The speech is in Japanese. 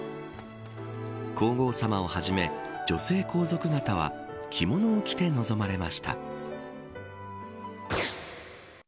皇后さまをはじめ女性皇族方は着物を着て臨まれました。